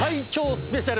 スペシャル